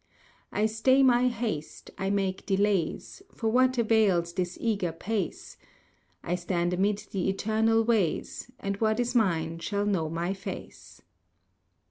I stay my haste, I make delays, For what avails this eager pace? I stand amid the eternal ways, And what is mine shall know my face.